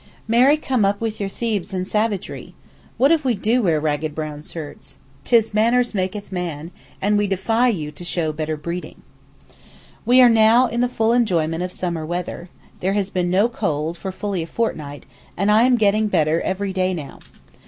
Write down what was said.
Marry come up with your Thebes and savagery! What if we do wear ragged brown shirts? ''Tis manners makyth man,' and we defy you to show better breeding. We are now in the full enjoyment of summer weather; there has been no cold for fully a fortnight, and I am getting better every day now.